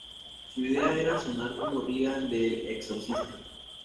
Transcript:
Su idea era sonar como Regan de El exorcista.